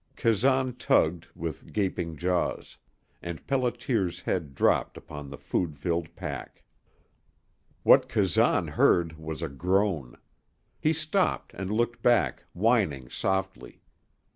Kazan tugged, with gaping jaws; and Pelliter's head dropped upon the food filled pack. What Kazan heard was a groan. He stopped and looked back, whining softly.